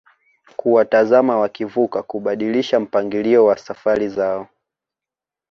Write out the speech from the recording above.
kuwatazama wakivuka kubadilisha mpangilio wa safari zao